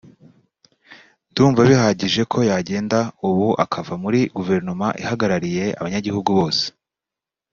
ndumva bihagije ko yagenda ubu akava muri guverinoma ihagarariye abanyagihugu bose